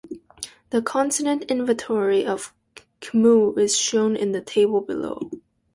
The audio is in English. The consonant inventory of Khmu is shown in the table below.